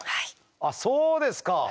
あっそうですか。